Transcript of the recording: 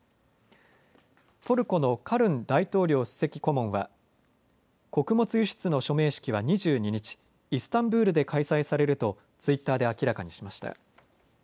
トルコのカルン大統領首席顧問は穀物輸出の署名式は２２日、イスタンブールで開催されるとツイッターで明らかにしました。